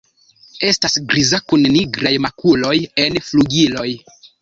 Estas griza kun nigraj makuloj en flugiloj.